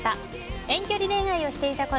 遠距離恋愛をしていたころ